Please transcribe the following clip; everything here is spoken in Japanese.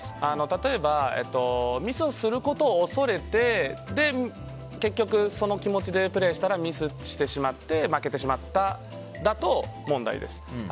例えば、ミスをすることを恐れて結局、その気持ちでプレーしたらミスしてしまって負けてしまっただと問題です。